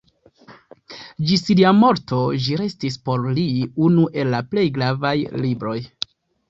Ĝis lia morto ĝi restis por li unu el la plej gravaj libroj.